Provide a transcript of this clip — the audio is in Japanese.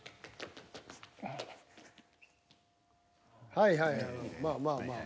はいはいはいまあまあまあ。